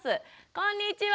こんにちは。